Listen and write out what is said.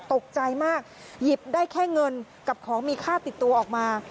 ตกใจมากหยิบได้แค่เงินกับของมีค่าติดตัวออกมา